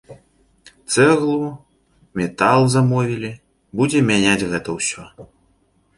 Цэглу, метал замовілі, будзем мяняць гэта ўсё.